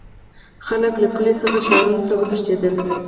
خلک له کلیو څخه ښارونو ته وتښتیدل.